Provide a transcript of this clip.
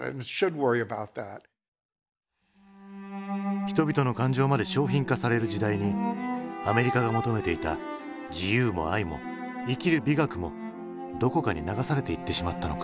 人々の感情まで商品化される時代にアメリカが求めていた自由も愛も生きる美学もどこかに流されていってしまったのか？